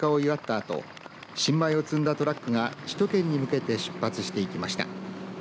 あと新米を積んだトラックが首都圏に向けて出発していきました。